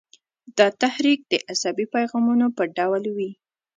دا تحریک د عصبي پیغامونو په ډول وي.